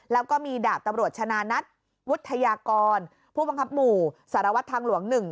แล้วก็มีดาบตำรวจชนะนัทวุฒยากรผู้บังคับหมู่สารวัตรทางหลวง๑